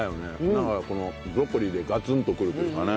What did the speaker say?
なんかこのブロッコリーでガツンとくるというかね。